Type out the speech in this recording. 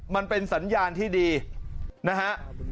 มันเป็นสัญญาณที่ดีนะฮะ